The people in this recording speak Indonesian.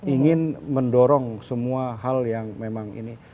ingin mendorong semua hal yang memang ini